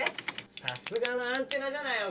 さすがのアンテナじゃない奥さん。